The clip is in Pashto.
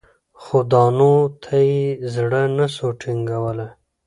خو دانو ته یې زړه نه سو ټینګولای